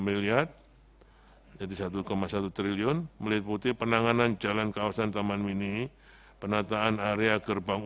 miliar jadi satu satu triliun meliputi penanganan jalan kawasan taman mini penataan area gerbang